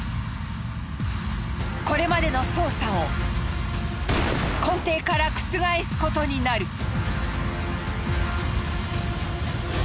これまでの捜査を根底から覆すことになる。